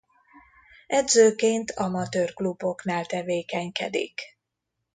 Edzőként amatőr kluboknál tevékenykedik.